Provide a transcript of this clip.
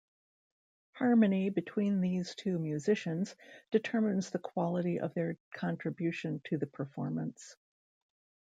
Harmony between these two musicians determines the quality of their contribution to the performance.